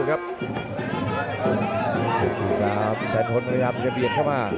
ใครดีใครอยู่แล้วครับ